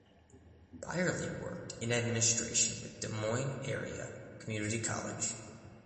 Byerly worked in administration with the Des Moines Area Community College.